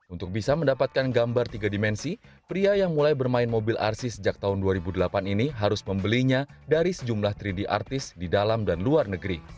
untuk bisa mendapatkan gambar tiga dimensi pria yang mulai bermain mobil rc sejak tahun dua ribu delapan ini harus membelinya dari sejumlah tiga d artis di dalam dan luar negeri